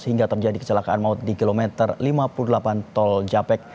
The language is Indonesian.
hingga terjadi kecelakaan maut di kilometer lima puluh delapan tol japek